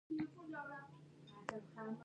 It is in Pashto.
آیا چې هره ورځ نه لیکل کیږي؟